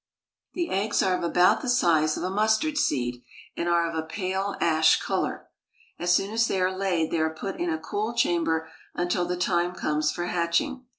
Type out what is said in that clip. The eggs are of about the size of a mustard seed, and are of a pale ash color. As soon as they are laid they are put in a cool chamber until the time comes for hatching.